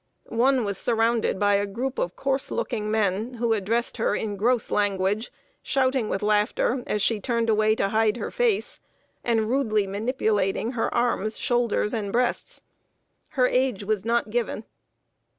One was surrounded by a group of coarse looking men, who addressed her in gross language, shouting with laughter as she turned away to hide her face, and rudely manipulating her arms, shoulders, and breasts. Her age was not given.